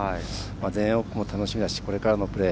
全英オープンも楽しみだしこれからのプレー